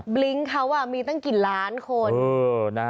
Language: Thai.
บลิ้งเขามีตั้งกี่ล้านคน